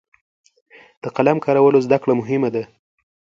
د قلم کارولو زده کړه مهمه ده.